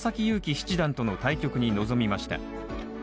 勇気七段との対局に臨みました。